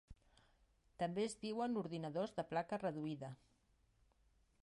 També es diuen ordinadors de placa reduïda.